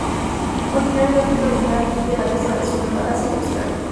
Originaria de África Oriental, India, la costa sur de Malasia y Australia.